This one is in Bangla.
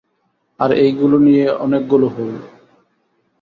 আর এইগুলো নিয়ে অনেকগুলো হোল।